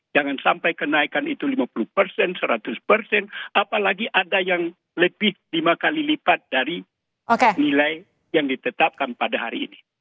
jangan sampai kenaikan itu lima puluh persen seratus persen apalagi ada yang lebih lima kali lipat dari nilai yang ditetapkan pada hari ini